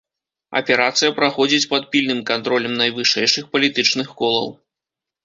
Аперацыя праходзіць пад пільным кантролем найвышэйшых палітычных колаў.